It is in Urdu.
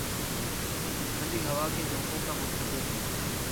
ٹھنڈی ہوا کے جھونکوں کا منتظر ہے